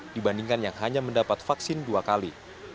dibandingkan yang hanya mendapat vaksin dua kali